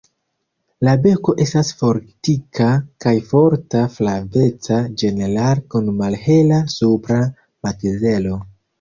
La beko estas fortika kaj forta, flaveca ĝenerale kun malhela supra makzelo.